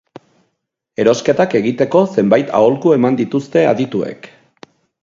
Erosketak egiteko zenbait aholku eman dituzte adituek.